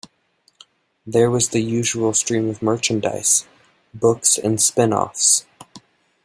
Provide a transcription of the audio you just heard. There was the usual stream of merchandise, books and spin-offs.